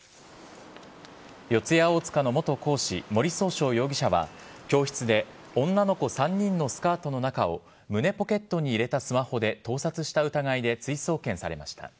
四谷大塚の元講師、森崇翔容疑者は、教室で女の子３人のスカートの中を胸ポケットに入れたスマホで盗撮した疑いで追送検されました。